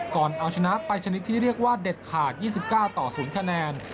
ก่อนเอาชนะไปชนิดที่เรียกว่าเด็ดขาด๒๙ต่อ๐คะแนน